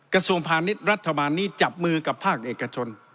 กระทรวงพาณิชย์รัฐบาลนี้จับมือกับภาคเอกชน